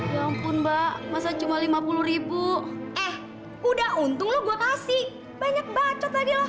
ya ampun mbak masa cuma rp lima puluh eh udah untung lo gua kasih banyak bacot lagi loh